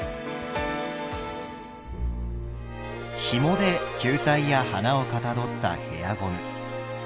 ひもで球体や花をかたどったヘアゴム。